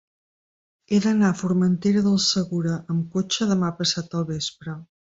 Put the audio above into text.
He d'anar a Formentera del Segura amb cotxe demà passat al vespre.